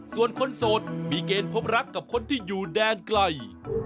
ส่วนคนโสดมีเกณฑ์พบรักกับคนที่อยู่แดนไกล